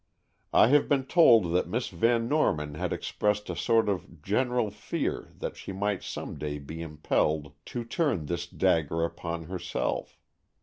I have been told that Miss Van Norman had expressed a sort of general fear that she might some day be impelled to turn this dagger upon herself.